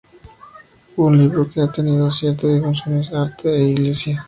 Un libro que ha tenido cierta difusión es "Arte e Iglesia".